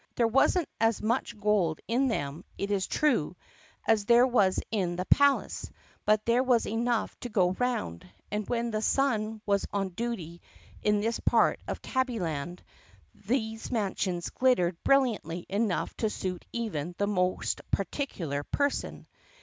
There was n't as much gold in them, it is true, as there was in the palace but there was enough to go round, and when the sun was on duty in this part of Tabbyland these mansions glittered brilliantly enough to suit even the most particular person.